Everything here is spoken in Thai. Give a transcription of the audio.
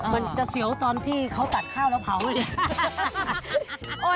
มันจะเสียวตอนที่เขาตัดข้าวแล้วเผาไหมเนี่ย